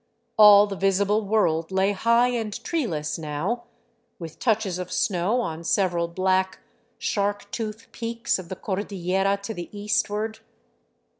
All the visible world lay high and treeless now, with touches of snow on several black, shark tooth peaks of the Cordillera to the eastward.